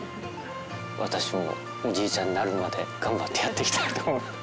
私もおじいちゃんになるまで頑張ってやっていきたいと思う。